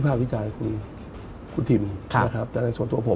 ผมเองกับคุณอุ้งอิ๊งเองเราก็รักกันเหมือนน้อง